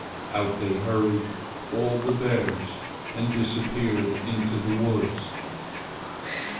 Out they hurried, all the bears, and disappeared into the woods.